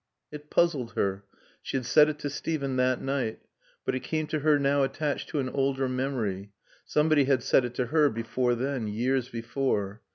It puzzled her. She had said it to Steven that night. But it came to her now attached to an older memory. Somebody had said it to her before then. Years before.